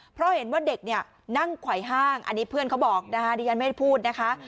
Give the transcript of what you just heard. เพราะเห็นว่าเด็กเนี่ยนั่งไขว้ห้างอันนี้เพื่อนเขาบอกนะคะดิฉันไม่ได้พูดนะคะ